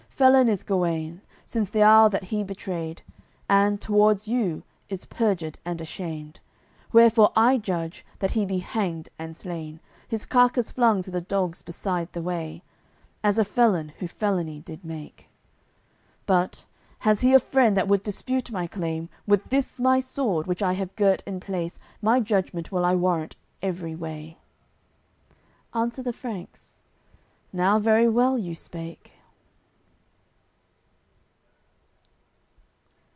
Felon is Guene, since th' hour that he betrayed, And, towards you, is perjured and ashamed: Wherefore I judge that he be hanged and slain, His carcass flung to th' dogs beside the way, As a felon who felony did make. But, has he a friend that would dispute my claim With this my sword which I have girt in place My judgement will I warrant every way." Answer the Franks: "Now very well you spake."